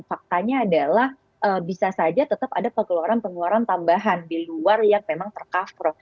faktanya adalah bisa saja tetap ada pengeluaran pengeluaran tambahan di luar yang memang tercover